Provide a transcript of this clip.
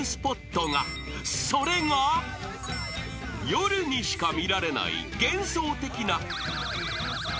［夜にしか見られない幻想的な］